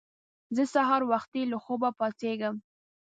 زه سهار وختي له خوبه پاڅېږم